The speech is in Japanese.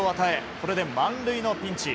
これで満塁のピンチ。